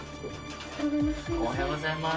おはようございます。